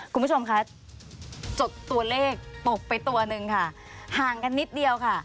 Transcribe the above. คุณผู้ชมคะจดตัวเลขตกไปตัวหนึ่งค่ะห่างกันนิดเดียวค่ะ